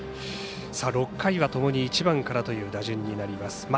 ６回はともに１番からという打順になります。